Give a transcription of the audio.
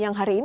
yang hari ini